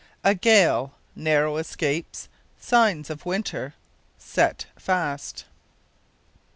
A GALE NARROW ESCAPES SIGNS OF WINTER SET FAST.